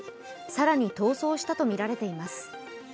更に逃走したとみられています。